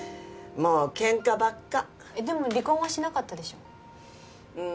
もうケンカばっかでも離婚はしなかったでしょうん